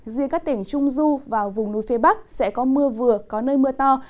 riêng các tỉnh trung du và vùng núi phía bắc sẽ có mưa vừa có nơi mưa to